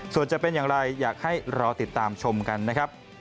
ส่วนจะเป็นอย่างไรอยากให้รอติดตามชมกันนะครับ